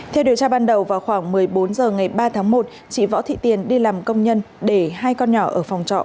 theo điều tra ban đầu vào khoảng một mươi bốn h ngày ba tháng một chị võ thị tiền đi làm công nhân để hai con nhỏ ở phòng trọ